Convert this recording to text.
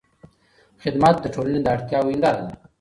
خدمت د ټولنې د اړتیاوو هنداره ده.